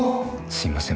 すいません